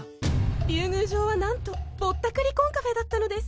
竜宮城はなんとぼったくりコンカフェだったのです